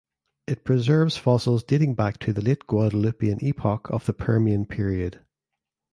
It preserves fossils dating back to the late Guadalupian Epoch of the Permian period.